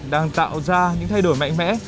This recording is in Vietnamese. đang tạo ra những thay đổi mạnh mẽ